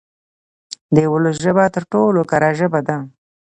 د ولس ژبه تر ټولو کره ژبه ده.